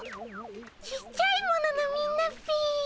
ちっちゃいもののみんなっピ。